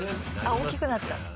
大きくなった。